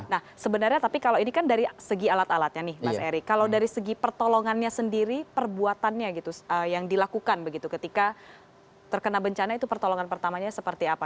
nah sebenarnya tapi kalau ini kan dari segi alat alatnya nih mas eri kalau dari segi pertolongannya sendiri perbuatannya gitu yang dilakukan begitu ketika terkena bencana itu pertolongan pertamanya seperti apa